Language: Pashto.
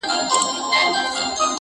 چي د وجود، په هر يو رگ کي دي آباده کړمه.